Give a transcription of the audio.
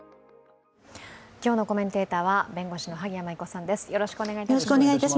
今日のコメンテーターは弁護士の萩谷麻衣子さんです。